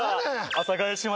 阿佐ヶ谷姉妹？